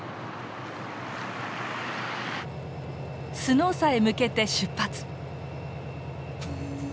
スノーサへ向けて出発！